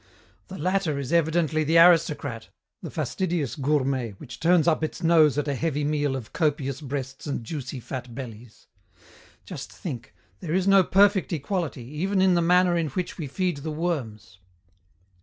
The latter is evidently the aristocrat, the fastidious gourmet which turns up its nose at a heavy meal of copious breasts and juicy fat bellies. Just think, there is no perfect equality, even in the manner in which we feed the worms.